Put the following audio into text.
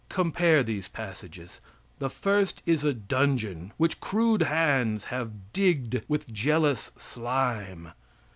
Compare these passages. The first is a dungeon, which crude hands have digged with jealous slime.